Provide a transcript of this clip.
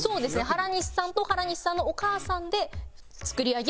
原西さんと原西さんのお母さんで作り上げるギャグです。